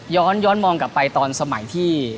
ย้อนมองกลับไปตอนสมัยที่